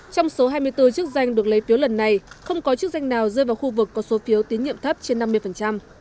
trong số hai mươi bốn chức danh được lấy phiếu lần này không có chức danh nào rơi vào khu vực có số phiếu tín nhiệm thấp trên năm mươi